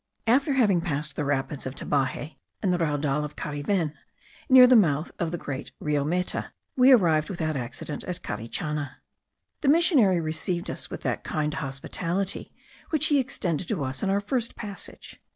After having passed the rapids of Tabaje, and the Raudal of Cariven, near the mouth of the great Rio Meta, we arrived without accident at Carichana. The missionary received us with that kind hospitality which he extended to us on our first passage.